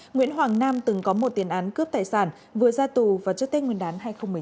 nguyễn hoàng nam từng có một tiền án cướp tài sản vừa ra tù vào trước tết nguyên đán hai nghìn một mươi tám